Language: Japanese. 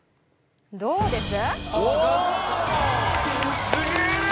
どうです？